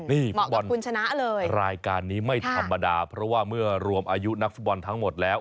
นี่ฟุตบอลคุณชนะเลยรายการนี้ไม่ธรรมดาเพราะว่าเมื่อรวมอายุนักฟุตบอลทั้งหมดแล้ว